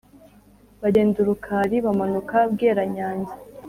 Bagenda Urukari; bamanuka Bweranyange;